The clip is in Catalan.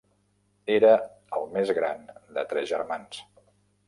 Era el més gran de tres germans.